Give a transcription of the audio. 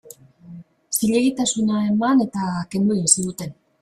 Zilegitasuna eman eta kendu egin zizuten.